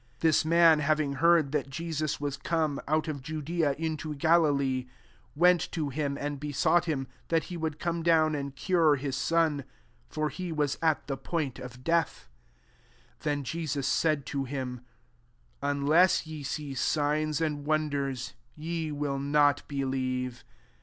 47 This man hav* ing heard that Jesus was come out of Judea into Galilee, went to him, and besought bim, that he would come down and cure hi« son : for he was at the point of death. 48 Then Jesus said to him, Unless ye see signs and won* ders, ye will not believe."